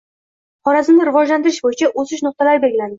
Xorazmni rivojlantirish bo‘yicha «o‘sish nuqtalari» belgilandi